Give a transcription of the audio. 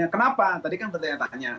kenapa tadi kan bertanya tanya